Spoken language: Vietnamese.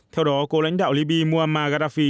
theo đó cô lãnh đạo libby muammar gaddafi